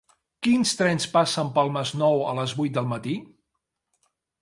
Quins trens passen pel Masnou a les vuit del matí?